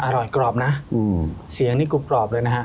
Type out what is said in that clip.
อร่อยกรอบนะเสียงนี่กรุบกรอบเลยนะฮะ